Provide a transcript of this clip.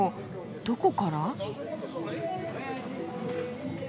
どこから？